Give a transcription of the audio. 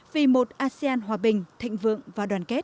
vì một asean hòa bình thịnh vượng và đoàn kết